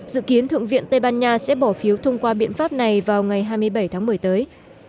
dự kiến thượng viện tây ban nha sẽ bỏ phiếu thông qua biện pháp này vào ngày hai mươi bảy tháng một mươi tới